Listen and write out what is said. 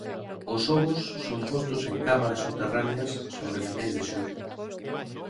Os ovos son postos en cámaras subterráneas sobre finais de xullo.